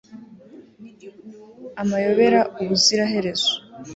Amayobera ubuziraherezo